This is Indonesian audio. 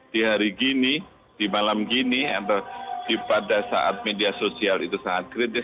di hari gini di malam gini atau pada saat media sosial itu sangat kritis